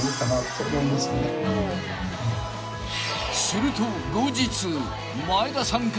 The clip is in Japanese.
［すると後日］